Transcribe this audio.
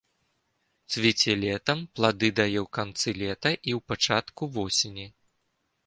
Цвіце летам, плады дае ў канцы лета і ў пачатку восені.